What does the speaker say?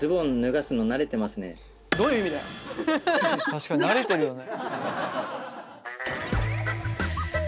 確かに慣れてるよね。